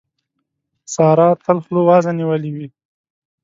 سارا تل خوله وازه نيولې وي.